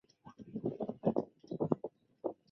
派厄尼尔镇区为位在美国堪萨斯州葛兰姆县的镇区。